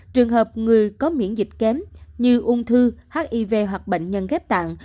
trường hợp người có miễn dịch kém như ung thư hiv hoặc bệnh nhân ghép tạng